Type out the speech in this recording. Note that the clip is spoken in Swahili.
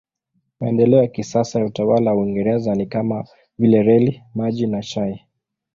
Maendeleo ya kisasa ya utawala wa Uingereza ni kama vile reli, maji na chai.